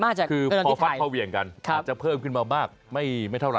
คือพอฟันพอเวียงกัน